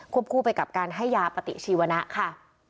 คู่ไปกับการให้ยาปฏิชีวนะค่ะ